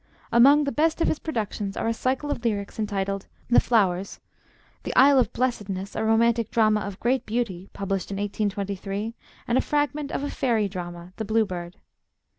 Among the best of his productions are a cycle of lyrics entitled 'The Flowers'; 'The Isle of Blessedness,' a romantic drama of great beauty, published in 1823; and a fragment of a fairy drama, 'The Blue Bird.'